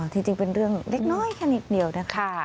จริงเป็นเรื่องเล็กน้อยแค่นิดเดียวนะคะ